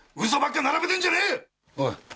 おい。